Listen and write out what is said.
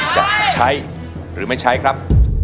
จะใช้หรือไม่ใช้ครับ